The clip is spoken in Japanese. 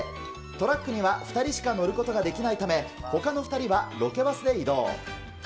トラックには２人しか乗ることができないため、ほかの２人はロケバスで移動。